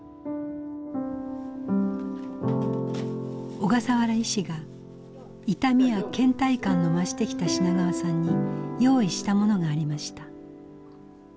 小笠原医師が痛みやけん怠感の増してきた品川さんに用意したものがありました。